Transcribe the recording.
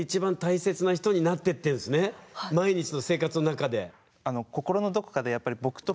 毎日の生活の中で。